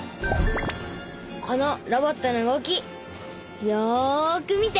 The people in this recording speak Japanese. このロボットの動きよく見て。